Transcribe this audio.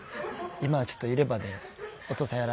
今はちょっと入れ歯でお父さんやらせてもうてて。